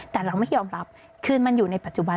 แต่เราไม่ยอมรับคือมันอยู่ในปัจจุบัน